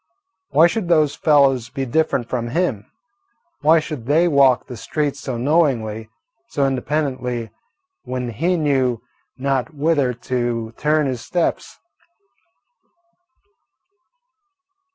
Why should those fellows be different from him? Why should they walk the streets so knowingly, so independently, when he knew not whither to turn his steps?